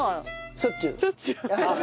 しょっちゅう！